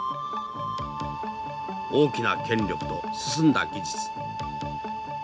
大きな権力と進んだ技術。